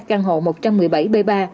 căn hộ một trăm một mươi bảy b ba